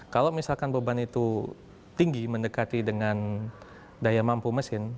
kalau misalkan beban itu tinggi mendekati dengan daya mampu mesin